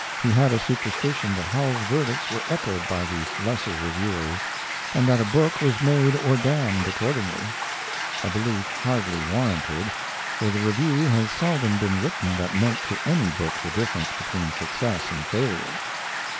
He had a superstition that Howells's verdicts were echoed by the lesser reviewers, and that a book was made or damned accordingly; a belief hardly warranted, for the review has seldom been written that meant to any book the difference between success and failure.